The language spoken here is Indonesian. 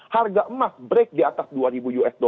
harga emas break di atas dua ribu usd